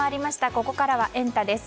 ここからはエンタ！です。